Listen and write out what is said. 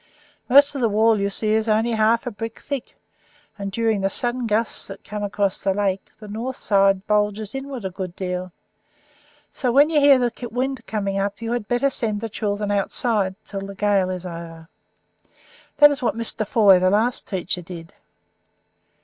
Most of the wall, you see, is only half a brick thick, and, during the sudden gusts that come across the lake, the north side bulges inward a good deal; so, when you hear the wind coming you had better send the children outside until the gale is over. That is what Mr. Foy, the last teacher did.